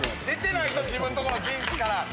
出てないぞ、自分のところの陣地から。